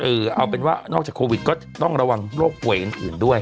เอาเป็นว่านอกจากโควิดก็ต้องระวังโรคป่วยอื่นด้วย